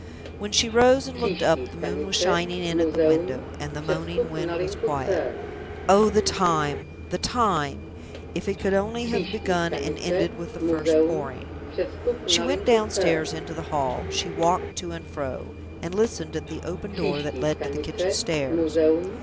When she rose and looked up the moon was shining in at the window, and the moaning wind was quiet. Oh, the time! the time! If it could only have been begun and ended with the first Pouring! She went downstairs into the hall; she walked to and fro, and listened at the open door that led to the kitchen stairs.